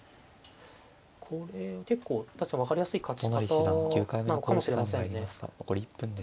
これ結構確かに分かりやすい勝ち方なのかもしれませんね。